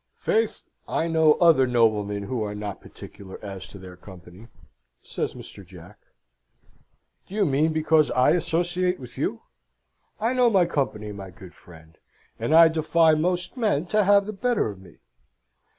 "Faith, I know other noblemen who are not particular as to their company," says Mr. Jack. "Do you mean because I associate with you? I know my company, my good friend, and I defy most men to have the better of me."